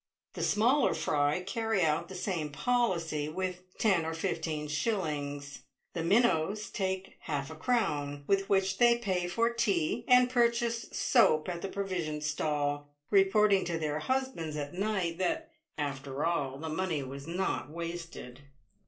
The smaller fry carry out the same policy with ten or fifteen shillings. The minnows take half a crown, with which they pay for tea, and purchase soap at the provision stall, reporting to their husbands at night that, after all, the money was not wasted.